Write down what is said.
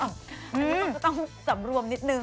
อันนี้เขาก็ต้องสำรวมนิดนึง